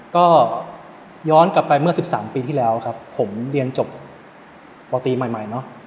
ก็ย้อนกลับไปเมื่อ๑๓ปีที่แล้วครับผมเรียนจบโปรตีใหม่เนอะ